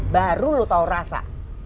baru lu tau rasa